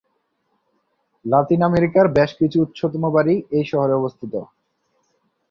লাতিন আমেরিকার বেশ কিছু উচ্চতম বাড়ি এই শহরে অবস্থিত।